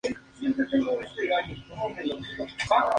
Tiene numerosas lecturas distintivas.